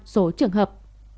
số trường hợp